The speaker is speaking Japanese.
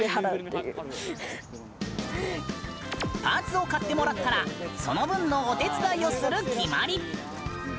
パーツを買ってもらったらその分のお手伝いをする決まり。